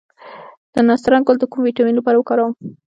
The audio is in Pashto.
د نسترن ګل د کوم ویټامین لپاره وکاروم؟